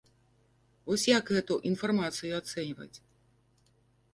Вось як гэту інфармацыю ацэньваць?